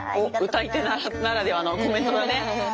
歌い手ならではのコメントだね。